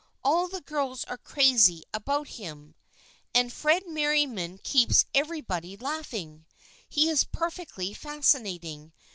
All the girls are crazy about him. And Fred Merriam keeps everybody laughing. He is perfectly fascinating.